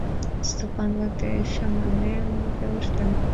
— Стопан вате чаманен пелешта.